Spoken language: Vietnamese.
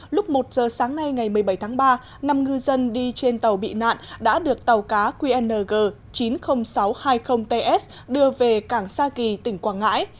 lúc một giờ sáng nay ngày một mươi bảy tháng ba năm ngư dân đi trên tàu bị nạn đã được tàu cá qng chín mươi nghìn sáu trăm hai mươi ts đưa về cảng sa kỳ tỉnh quảng ngãi